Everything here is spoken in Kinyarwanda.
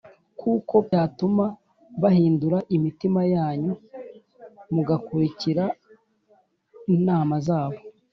kuko byatuma bahindura imitima yanyu mugakurikira imana zabo